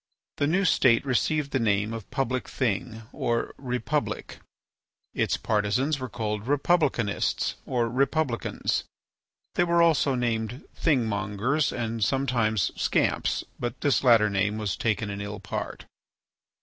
The new state received the name of Public Thing or Republic. Its partisans were called republicanists or republicans. They were also named Thingmongers and sometimes Scamps, but this latter name was taken in ill part.